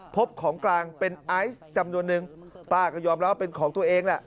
พบของกลางเป็นไอซ์จำนวนนึงป้าก็ยอมรับว่าเป็นของตัวเองแหละ